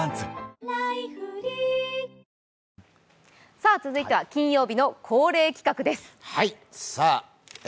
さあ続いては金曜日の恒例企画です。